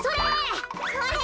それ！